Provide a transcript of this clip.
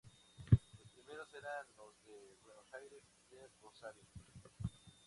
Los primeros eran los de Buenos Aires y de Rosario.